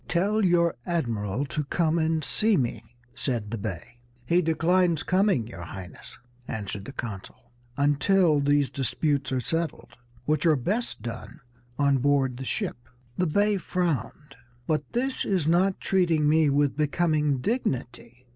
"Tell your admiral to come and see me," said the Bey. "He declines coming, your Highness," answered the consul, "until these disputes are settled, which are best done on board the ship." The Bey frowned. "But this is not treating me with becoming dignity.